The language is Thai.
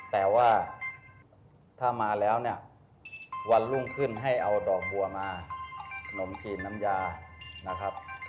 แต่ว่าถ้ามาแล้วเนี่ยวันรุ่งขึ้นให้เอาดอกบัวมาขนมจีนน้ำยานะครับ